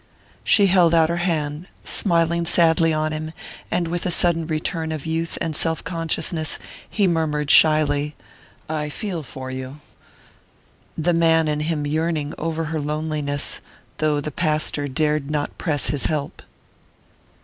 She held out her hand, smiling sadly on him, and with a sudden return of youth and self consciousness, he murmured shyly: "I feel for you" the man in him yearning over her loneliness, though the pastor dared not press his help....